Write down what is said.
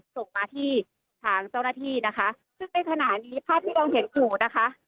ส่งมาที่ทางเจ้าหน้าที่นะคะซึ่งในขณะนี้ภาพที่เราเห็นอยู่นะคะ